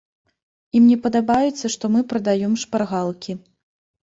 Ім не падабацца, што мы прадаём шпаргалкі.